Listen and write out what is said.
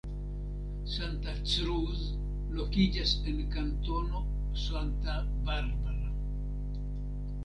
Santa Cruz lokiĝas en Kantono Santa Barbara.